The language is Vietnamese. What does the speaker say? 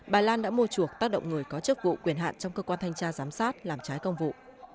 bà lan đã mua chuộc tác động người có chức vụ quyền hạn trong cơ quan thanh tra giám sát làm trái công vụ